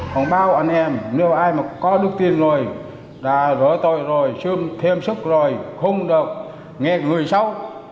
họng báo anh em nếu ai mà có đức tin rồi đã rỡ tôi rồi xương thêm sức rồi không được nghe người sau